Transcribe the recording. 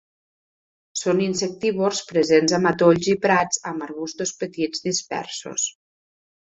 Són insectívors presents a matolls i prats amb arbustos petits dispersos.